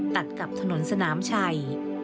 ตัดกับถนนสนามชัย